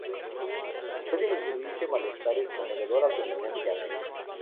Pueden incluirse malestares como dolor abdominal y diarrea.